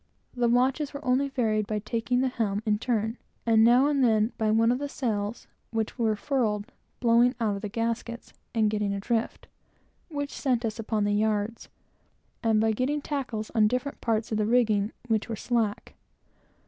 The watches were only varied by taking the helm in turn, and now and then, by one of the sails, which were furled, blowing out of the gaskets, and getting adrift, which sent us up on the yards; and by getting tackles on different parts of the rigging, which were slack.